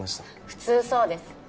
普通そうです